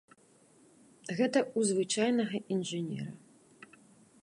Гэта ў звычайнага інжынера.